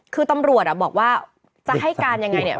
คือตำรวจอ่ะบอกว่าจะให้การยังไงเนี่ย